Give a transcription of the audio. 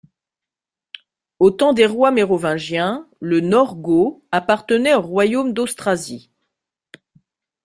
Au temps des rois mérovingiens le Nordgau appartenait au royaume d'Austrasie.